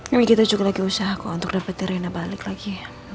ya begitu juga lagi usaha aku untuk dapetin rena balik lagi